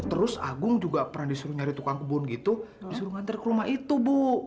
terus agung juga pernah disuruh nyari tukang kebun gitu disuruh ngantar ke rumah itu bu